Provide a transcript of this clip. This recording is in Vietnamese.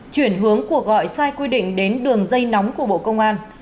chuyển hướng cuộc gọi sai quy định đến đường dây nóng của bộ công an